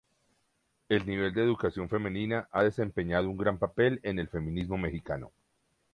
El nivel de educación femenina ha desempeñado un gran papel en el feminismo mexicano.